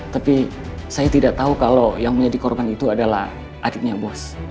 tapi saya tidak tahu kalau yang menjadi korban itu adalah adiknya bos